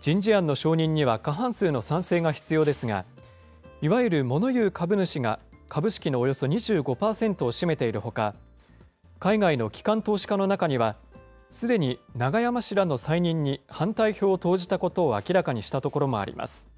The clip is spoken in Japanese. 人事案の承認には過半数の賛成が必要ですが、いわゆるモノ言う株主が株式のおよそ２５％を占めているほか、海外の機関投資家の中にはすでに永山氏らの再任に反対票を投じたことを明らかにしたところもあります。